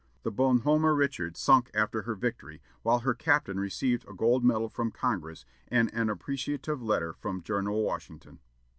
The Bon Homme Richard sunk after her victory, while her captain received a gold medal from Congress and an appreciative letter from General Washington.